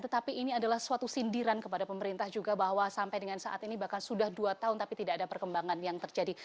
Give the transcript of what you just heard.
tetapi ini adalah suatu sindiran kepada pemerintah juga bahwa sampai dengan saat ini bahkan sudah dua tahun tapi tidak ada perkembangan yang terjadi